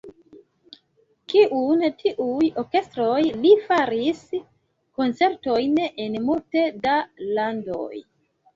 Kun tiuj orkestroj li faris koncertojn en multe da landoj.